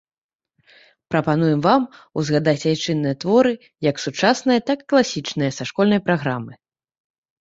Прапануем вам узгадаць айчынныя творы, як сучасныя, так і класічныя, са школьнай праграмы.